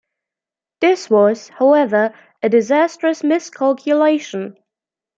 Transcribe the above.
This was, however, a disastrous miscalculation.